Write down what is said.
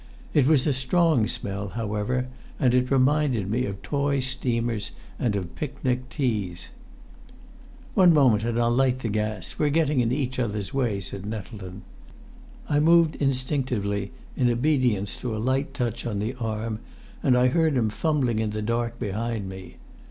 It was a strong smell, however, and it reminded me of toy steamers and of picnic teas. "One moment, and I'll light the gas. We're getting in each other's way," said Nettleton. I moved instinctively, in obedience to a light touch on the arm, and I heard him fumbling in the dark behind me.